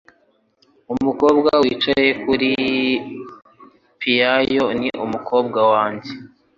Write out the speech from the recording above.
Umukobwa wicaye kuri piyano ni umukobwa wanjye.